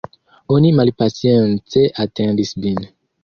Oni malpacience atendis vin.